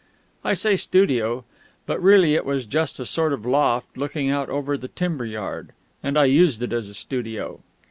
I say "studio"; but really it was just a sort of loft looking out over the timber yard, and I used it as a studio.